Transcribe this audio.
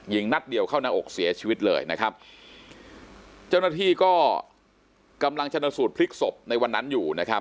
นัดเดียวเข้าหน้าอกเสียชีวิตเลยนะครับเจ้าหน้าที่ก็กำลังชนสูตรพลิกศพในวันนั้นอยู่นะครับ